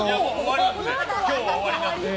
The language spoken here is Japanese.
今日は終わりなので。